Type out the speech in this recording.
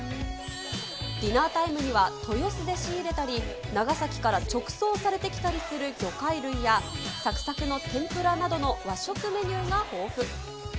ディナータイムには豊洲で仕入れたり、長崎から直送されてきたりする魚介類や、さくさくの天ぷらなどの和食メニューが豊富。